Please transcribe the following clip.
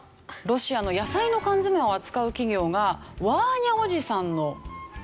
ロシアの野菜の缶詰を扱う企業が「ワーニャおじさん」のロゴ商標権を申請。